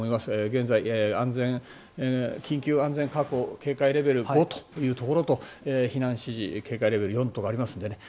現在、緊急安全確保警戒レベル５というところ避難指示、警戒レベル４とありますので。